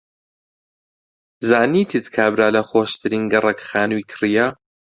زانیتت کابرا لە خۆشترین گەڕەک خانووی کڕییە.